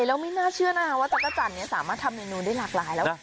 แล้วไม่น่าเชื่อนะคะว่าจักรจันทร์สามารถทำเมนูได้หลากหลายแล้ว